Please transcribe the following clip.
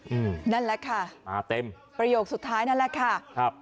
อืมนั่นแหละค่ะมาเต็มประโยคสุดท้ายนั่นแหละค่ะครับ